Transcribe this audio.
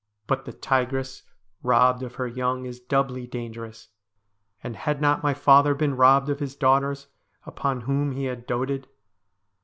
But the tigress robbed of her young is doubly dangerous, and had not my father been robbed of his daughters, upon whom he had doted